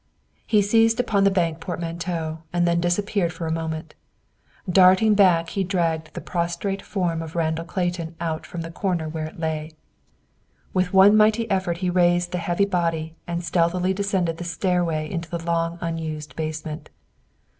He seized upon the bank portmanteau and then disappeared for a moment. Darting back, he dragged the prostrate form of Randall Clayton out from the corner where it lay. With one mighty effort he raised the heavy body and stealthily descended the stairway into the long unused basement.